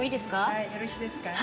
はいよろしいですか。